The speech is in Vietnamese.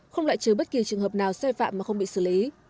không lại chứa bất kỳ trường hợp nào xe phạm mà không bị xử lý